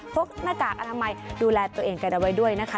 หน้ากากอนามัยดูแลตัวเองกันเอาไว้ด้วยนะคะ